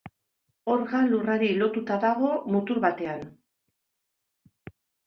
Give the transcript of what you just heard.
Orga lurrari lotuta dago mutur batean.